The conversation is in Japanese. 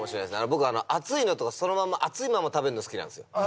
僕あの熱いのとかそのまんま熱いまま食べるの好きなんですよ